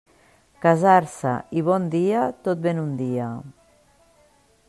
Casar-se i bon dia, tot ve en un dia.